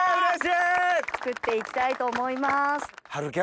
作っていきたいと思います。